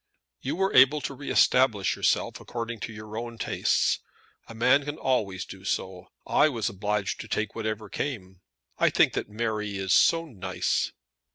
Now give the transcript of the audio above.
"You were able to re establish yourself according to your own tastes. A man can always do so. I was obliged to take whatever came. I think that Mary is so nice."